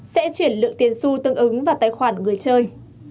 sẽ chuyển lượng tiền su tương ứng vào tài khoản người chơi